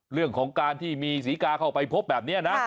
เรื่องของการที่มีศรีกาเข้าไปพบแบบนี้นะ